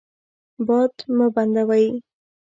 باد مه بندوئ.